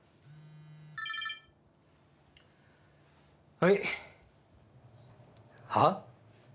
はい。はあ？